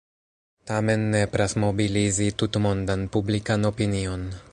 Tamen nepras mobilizi tutmondan publikan opinion.